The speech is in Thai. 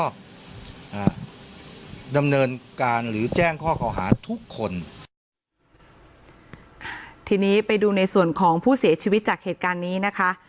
อ่านำเนินการหรือแจ้งข้อขอหาทุกคนทีนี้ไปดูในส่วนของผู้เสียชีวิตจากเหตุการณ์นี้นะคะ